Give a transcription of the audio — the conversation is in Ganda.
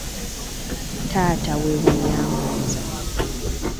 Taata we bwe yamubuuza.